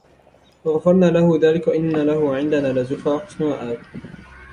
فغفرنا له ذلك وإن له عندنا لزلفى وحسن مآب